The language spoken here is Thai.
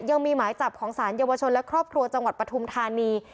ยังมีหมายจับของสารเยาวชนและครอบครัวจังหวัดปฐุมธานี